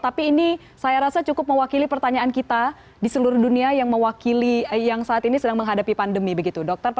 tapi ini saya rasa cukup mewakili pertanyaan kita di seluruh dunia yang mewakili yang saat ini sedang menghadapi patikan pandemi ini ya vakit serius ya maksudku ade